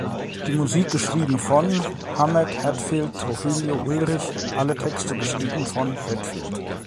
Die Musik geschrieben von: Hammett, Hetfield, Trujillo, Ulrich; alle Texte geschrieben von: Hetfield.